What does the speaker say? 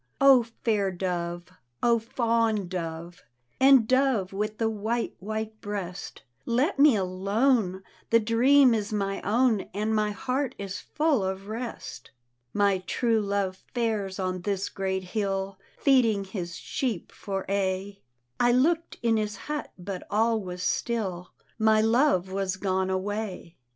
O fair dove! O fond dove I And dove with the white, white breast, Let me alone, the dream is my own, And my heart is full of rest. My true love fares on this great hill. Feeding his sheep for aye; I look'd in his hut, but all was still, My love was gone away.